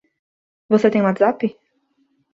Você tem WhatsApp?